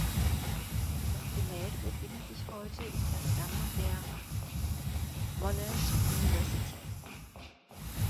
Das Gemälde befindet sich heute in der Sammlung der Monash University.